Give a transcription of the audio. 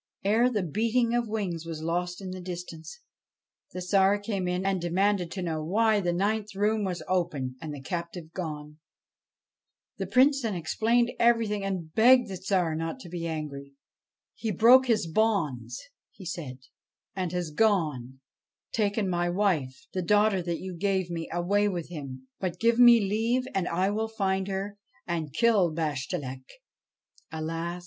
Ere the beating of wings was lost in the distance, the Tsar came in and demanded to know why the ninth room was open and the captive gone. The Prince then explained everything, and begged the Tsar not to be angry. ' He broke his bonds,' he said, ' and has gone, taking my wife the daughter that you gave me away with him. But give me leave, and I will find her and kill Bashtchelik.' ' Alas